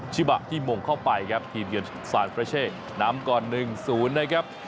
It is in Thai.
ชิบะที่มงเข้าไปครับทีมเยินสารเฟรเช่น้ำก่อนหนึ่งศูนย์นะครับ